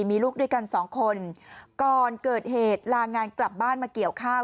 มีลูกด้วยกันสองคนก่อนเกิดเหตุลางานกลับบ้านมาเกี่ยวข้าว